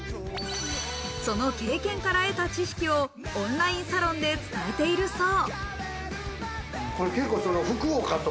その経験から得た知識をオンラインサロンで伝えているそう。